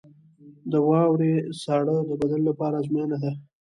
• د واورې ساړه د بدن لپاره ازموینه ده.